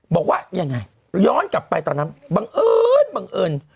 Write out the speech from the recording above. บอกว่ายังไงย้อนกลับไปตอนนั้นบังเอิญบังเอิญ